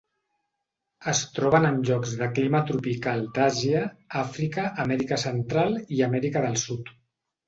Es troben en llocs de clima tropical d'Àsia, Àfrica, Amèrica central i Amèrica del Sud.